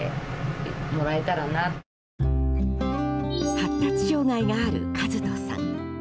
発達障害がある一斗さん。